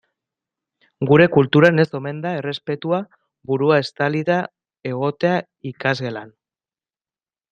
Gure kulturan ez omen da errespetuzkoa burua estalita egotea ikasgelan.